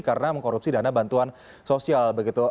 karena mengkorupsi dana bantuan sosial